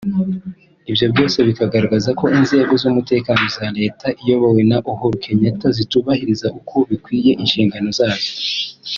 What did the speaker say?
ibyo byose bikagaragaza ko inzego z’umutekano za Leta iyobowe na Uhuru Kenyatta zitubahiriza uko bikwiye inshingano zazo